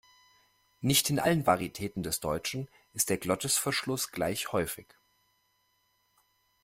Nicht in allen Varitäten des Deutschen ist der Glottisverschluss gleich häufig.